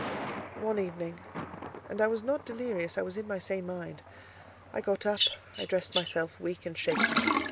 One evening—and I was not delirious: I was in my sane mind, I got up—I dressed myself, weak and shaking.